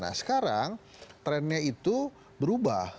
nah sekarang trendnya itu berubah